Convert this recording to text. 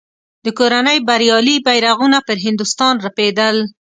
د کورنۍ بریالي بیرغونه پر هندوستان رپېدل.